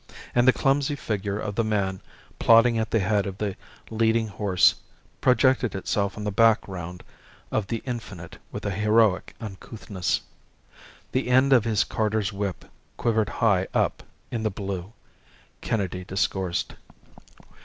And the clumsy figure of the man plodding at the head of the leading horse projected itself on the background of the Infinite with a heroic uncouthness. The end of his carter's whip quivered high up in the blue. Kennedy discoursed.